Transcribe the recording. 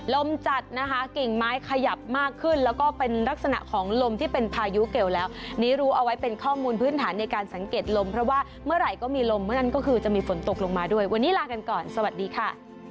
ลมจัดนะคะกิ่งไม้ขยับมากขึ้นแล้วก็เป็นลักษณะของลมที่เป็นพายุเกลแล้วนี้รู้เอาไว้เป็นข้อมูลพื้นฐานในการสังเกตลมเพราะว่าเมื่อไหร่ก็มีลมเมื่อนั้นก็คือจะมีฝนตกลงมาด้วยวันนี้ลากันก่อนสวัสดีค่ะ